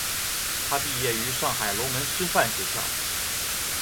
他毕业于上海龙门师范学校。